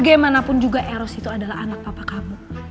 bagaimanapun juga eros itu adalah anak papa kamu